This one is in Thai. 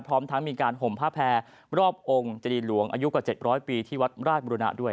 พร้อมทั้งมีการห่มผ้าแพร่รอบองค์เจดีหลวงอายุกว่า๗๐๐ปีที่วัดราชบุรณะด้วย